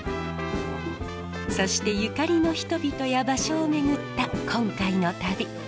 そしてゆかりの人々や場所を巡った今回の旅。